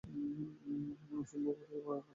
অসীম ভূমারই জন্য মানবাত্মার এই তৃষ্ণা।